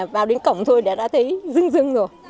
vào đến cổng thôi đã thấy dưng dưng rồi